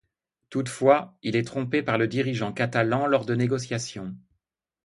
Toutefois, il est trompé par le dirigeant catalan lors de négociations.